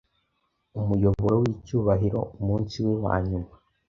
Umuyoboro wicyubahiro Umunsi we wanyuma